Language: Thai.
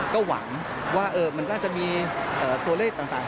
ก็หวังว่ามันก็จะมีตัวเลขต่าง